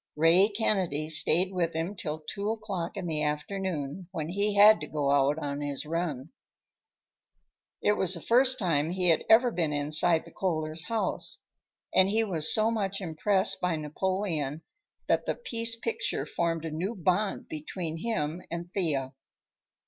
Ray Kennedy stayed with him till two o'clock in the afternoon, when he had to go out on his run. It was the first time he had ever been inside the Kohlers' house, and he was so much impressed by Napoleon that the piece picture formed a new bond between him and Thea.